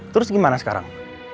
terus gimana sekarang